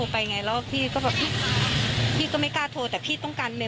เสียงผู้ชาย